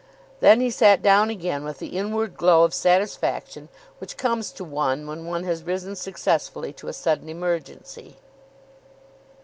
Then he sat down again with the inward glow of satisfaction which comes to one when one has risen successfully to a sudden emergency.